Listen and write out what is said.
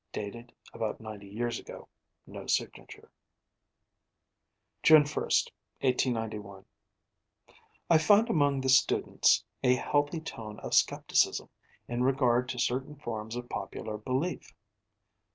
(Dated about ninety years ago: no signature.) Sec. 17 June 1, 1891 I find among the students a healthy tone of scepticism in regard to certain forms of popular belief.